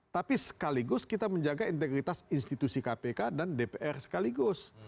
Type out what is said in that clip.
tapi sekaligus kita menjaga integritas institusi kpk dan dpr sekaligus